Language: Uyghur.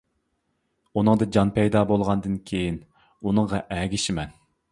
ئۇنىڭدا جان پەيدا بولغاندىن كىيىن ئۇنىڭغا ئەگىشىمەن.